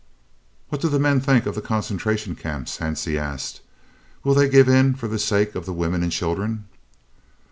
"What do the men think of the Concentration Camps?" Hansie asked. "Will they give in for the sake of the women and children?"